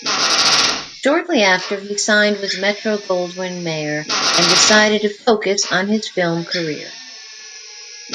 Shortly after, he signed with Metro-Goldwyn-Mayer and decided to focus on his film career.